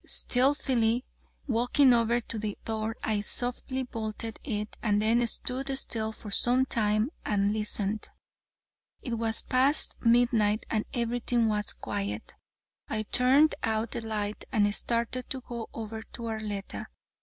Stealthily walking over to the door, I softly bolted it and then stood still for some time and listened. It was past midnight and everything was quiet. I turned out the light and started to go over to Arletta.